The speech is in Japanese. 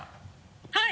はい。